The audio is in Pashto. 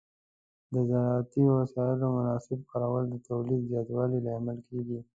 د زراعتي وسایلو مناسب کارول د تولید زیاتوالي لامل کېږي.